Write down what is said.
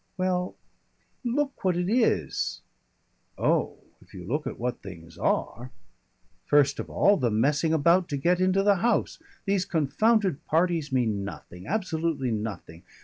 "Well Look what it is." "Oh! if you look at what things are!" "First of all, the messing about to get into the House. These confounded parties mean nothing absolutely nothing.